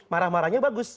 marah marahnya bagus